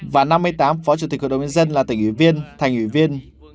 và năm mươi tám phó chủ tịch hội đồng nhân dân là tỉnh ủy viên thành ủy viên